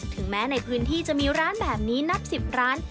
แม้ในพื้นที่จะมีร้านแบบนี้นับ๑๐ร้าน